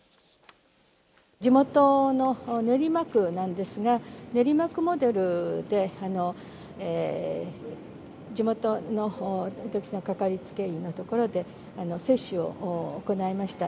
地元の練馬区なんですが、練馬区モデルで、地元の私の掛かりつけ医の所で接種を行いました。